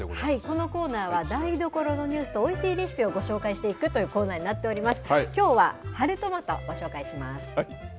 このコーナーは、台所のニュースとおいしいレシピをご紹介していくというコーナーになっております。